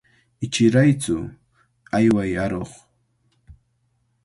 Ichiraytsu, ayway aruq.